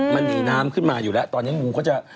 มันหนีน้ำขึ้นมาอยู่แล้วตอนนี้งูเขาจะ